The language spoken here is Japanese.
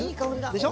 でしょ？